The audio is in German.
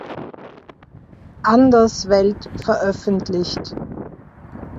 Anderswelt veröffentlicht.